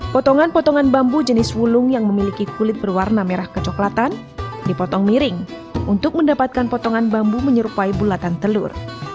potongan potongan bambu jenis wulung yang memiliki kulit berwarna merah kecoklatan dipotong miring untuk mendapatkan potongan bambu menyerupai bulatan telur